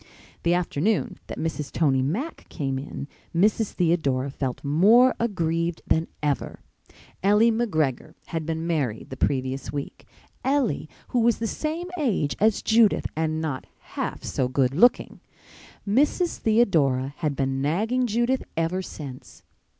The afternoon that Mrs. Tony Mack came in Mrs. Theodora felt more aggrieved than ever. Ellie McGregor had been married the previous week—Ellie, who was the same age as Judith and not half so good looking. Mrs. Theodora had been nagging Judith ever since.